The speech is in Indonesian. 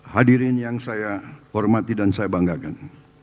hadirin yang saya hormati dan saya banggakan